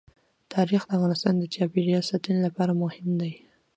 تاریخ د افغانستان د چاپیریال ساتنې لپاره مهم دي.